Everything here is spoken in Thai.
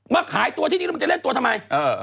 มาขายตัวที่นี่แล้วมันจะเล่นตัวทำไม